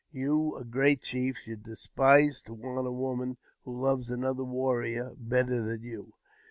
You, a great chief, should despise to want a woman who loves another warrior better than you